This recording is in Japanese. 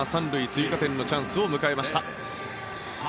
追加点のチャンスを迎えました。